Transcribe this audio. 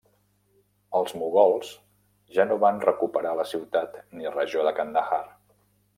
Els mogols ja no van recuperar la ciutat ni regió de Kandahar.